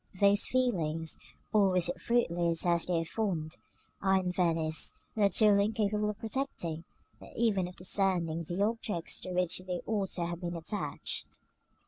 Those feelings, always as fruitless as they are fond, are in Venice not only incapable of protecting, but even of discerning, the objects to which they ought to have been attached.